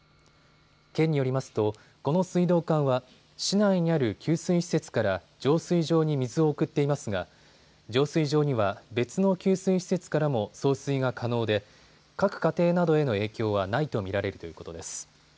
県によりますとこの水道管は市内にある給水施設から浄水場に水を送っていますが浄水場には別の給水施設からも送水が可能で各家庭などへの影響はないと見られるということです。